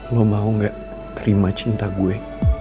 lo mau gak terima cinta gue